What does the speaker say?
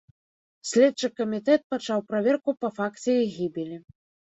Следчы камітэт пачаў праверку па факце іх гібелі.